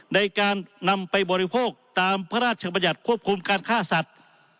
ในการนำไปบริโภคตามพระราชบัญญัติควบคุมการฆ่าสัตว์